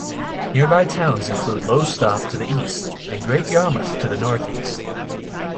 Nearby towns include Lowestoft to the east and Great Yarmouth to the northeast.